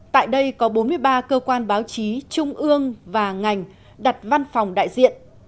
tại đây có bốn mươi ba cơ quan báo chí trung ương và ngành đặt văn phòng đại diện